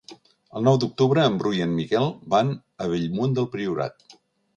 El nou d'octubre en Bru i en Miquel van a Bellmunt del Priorat.